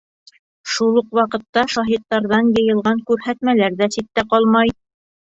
Шул уҡ ваҡытта шаһиттарҙан йыйылған күрһәтмәләр ҙә ситтә ҡалмай.